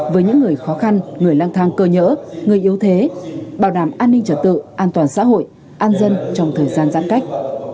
với những người khó khăn người lang thang cơ nhỡ người yếu thế bảo đảm an ninh trật tự an toàn xã hội an dân trong thời gian giãn cách